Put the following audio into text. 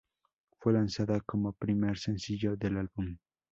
Fue lanzada como primer sencillo del álbum.